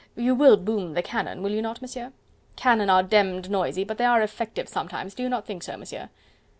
You WILL boom the cannon, will you not, Monsieur?... Cannon are demmed noisy, but they are effective sometimes, do you not think so, Monsieur?"